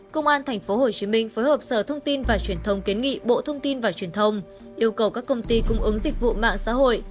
công an tp hcm phối hợp sở thông tin và truyền thông kiến nghị bộ thông tin và truyền thông yêu cầu các công ty cung ứng dịch vụ mạng xã hội